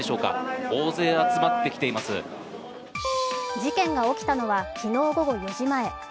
事件が起きたのは昨日午後４時前。